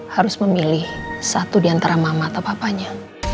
harus memilih satu diantara mama atau papanya